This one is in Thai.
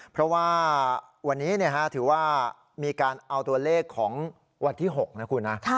เพราะว่าวันนี้ถือว่ามีการเอาตัวเลขของวันที่๖นะคุณนะ